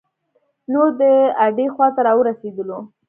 نور د اډې خواته را ورسیدلو.